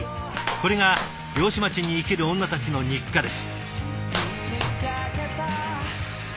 これが漁師町に生きる女たちの日課です。